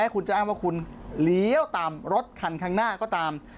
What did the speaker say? คุณจะอ้างว่าคุณเลี้ยวตามรถคันข้างหน้าก็ตาม